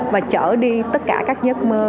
và chở đi tất cả các nhớt mơ